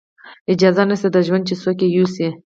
اجازت نشته د ژوند چې څوک یې یوسي